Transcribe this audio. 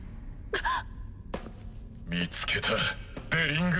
あっ！